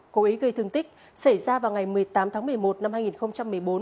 cố ý gây thương tích xảy ra vào ngày một mươi tám tháng một mươi một năm hai nghìn một mươi bốn